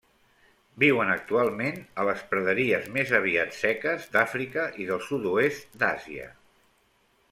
Viuen actualment a les praderies més aviat seques d'Àfrica i del sud-oest d'Àsia.